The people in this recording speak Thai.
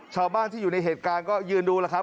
ชาวบ้านที่อยู่ในเหตุการณ์ก็ยืนดูแล้วครับ